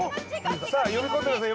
さあ呼び込んでください